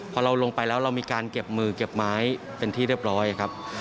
พอเราลงไปแล้วเรามีการเก็บมือเก็บไม้เป็นที่เรียบร้อยครับ